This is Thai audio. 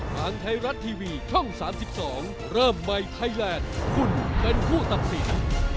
ทางไทยรัฐทีวีช่อง๓๒เริ่มใหม่ไทยแลนด์คุณเป็นผู้ตัดสิน